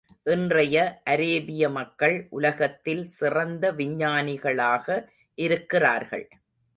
இன்றைய அரேபிய மக்கள் உலகத்தில் சிறந்த விஞ்ஞானிகளாக இருக்கிறார்கள்.